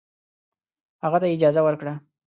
هغه ته یې اجازه ورکړه.